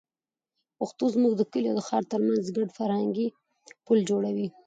پښتو زموږ د کلي او ښار تر منځ ګډ فرهنګي پُل جوړوي.